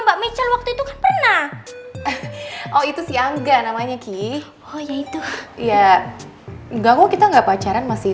mbak michal waktu itu pernah oh itu si angga namanya ki oh ya itu iya enggak kita enggak pacaran masih